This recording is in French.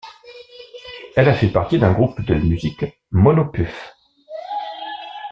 Elle a fait partie d'un groupe de musique, Mono Puff.